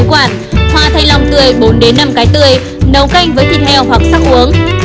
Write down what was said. chữa quản hoa thanh long tươi bốn năm cái tươi nấu canh với thịt heo hoặc sắc uống